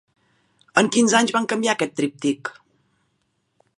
En quins anys van canviar aquest tríptic?